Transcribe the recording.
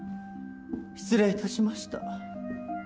失礼致しました。